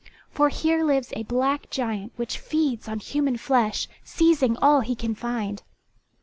For here lives a black giant which feeds on human flesh, seizing all he can find.